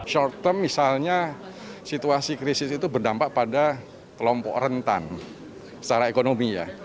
short term misalnya situasi krisis itu berdampak pada kelompok rentan secara ekonomi ya